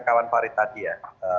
kawan farid tadi ya